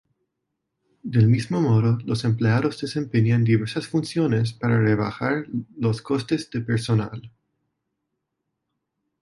Del mismo modo, los empleados desempeñan diversas funciones para rebajar los costes de personal.